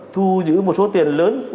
thu giữ một số tiền lớn